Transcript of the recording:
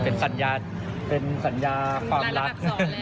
เป็นการรักสอนเลยอะครับ